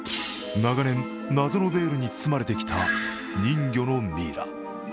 長年、謎のベールに包まれてきた人魚のミイラ。